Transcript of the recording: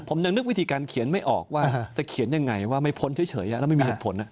ผมยังนึกวิธีการเขียนไม่ออกว่าจะเขียนยังไงว่าไม่พ้นเฉยแล้วไม่มีเหตุผล